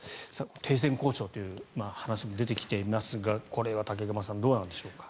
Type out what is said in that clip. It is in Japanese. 停戦交渉という話も出てきていますがこれは武隈さんどうなんでしょうか？